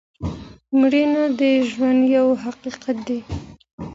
مړینه د ژوند یو حقیقت دی.